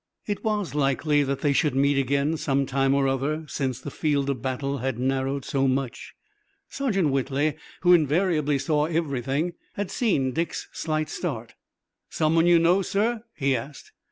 It was likely that they should meet again some time or other, since the field of battle had narrowed so much. Sergeant Whitley, who invariably saw everything, had seen Dick's slight start. "Someone you know, sir?" he asked.